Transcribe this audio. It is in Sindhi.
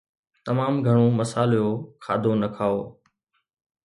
تمام گهڻو مصالحو کاڌو نه کائو